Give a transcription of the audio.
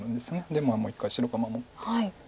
でもう一回白が守って。